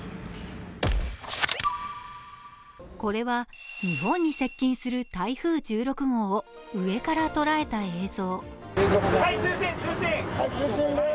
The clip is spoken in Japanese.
これは日本に接近する台風１６号を上から捉えた映像。